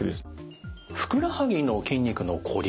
ふくらはぎの筋肉のこり